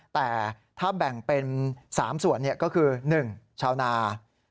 แต่ถ้าแบ่งเป็น๓ส่วนก็คือ๑ชาวนา